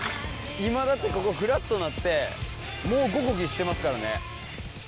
今だってここフラットなってもう５コギしてますからね。